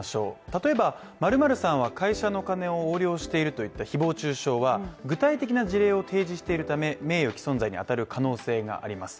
例えば、○○さんは会社の金を横領しているという誹謗中傷は具体的な事例を提示しているため、名誉毀損罪に当たる可能性があります。